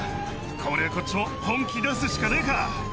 こりゃこっちも本気出すしかねえか。